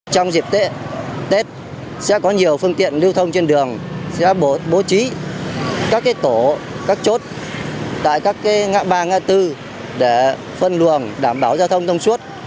trong dịp tết sẽ có nhiều phương tiện lưu thông trên đường sẽ bố trí các tổ các chốt tại các ngã ba ngã tư để phân luồng đảm bảo giao thông thông suốt